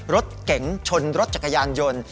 รถเก๋งชนรถจักรยานยนต์